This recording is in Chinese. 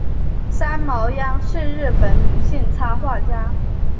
三毛央是日本女性插画家。